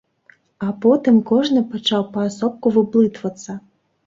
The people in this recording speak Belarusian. А потым кожны пачаў паасобку выблытвацца.